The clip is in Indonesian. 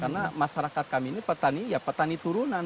karena masyarakat kami ini petani ya petani turunan